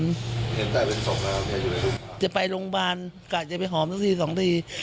เดียวไปโรงพาร์นผมก็จะไปหอม๑๒๓นาที